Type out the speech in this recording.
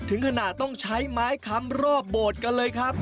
ถึงขนาดต้องใช้ไม้คำรอบโบสถ์กันเลยครับ